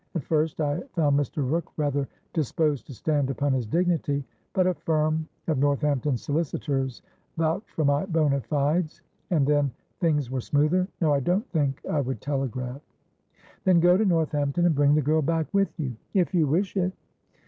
At first I found Mr. Rooke rather disposed to stand upon his dignity; but a firm of Northampton solicitors vouched for my bona fides, and then things were smoother. No, I don't think I would telegraph." "Then go to Northampton, and bring the girl back with you." "If you wish it."